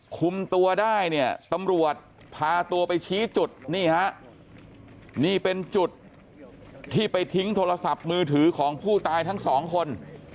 คุมตัวได้เนี่ยตำรวจพาตัวไปชี้จุดนี่ฮะนี่เป็นจุดที่ไปทิ้งโทรศัพท์มือถือของผู้ตายทั้งสองคน